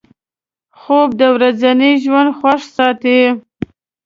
خوب د ورځني ژوند خوښ ساتي